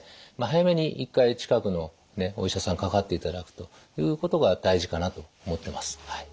早めに一回近くのお医者さんかかっていただくということが大事かなと思ってます。